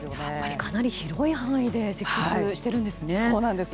かなり広い範囲で積雪しているんですね。